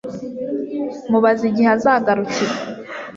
Mubaze igihe azagarukira